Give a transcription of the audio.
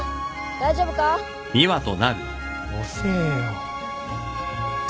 大丈夫か？遅えよ。